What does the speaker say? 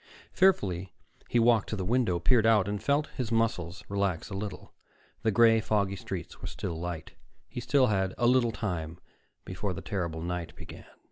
Fearfully, he walked to the window, peered out, and felt his muscles relax a little. The gray, foggy streets were still light. He still had a little time before the terrible night began.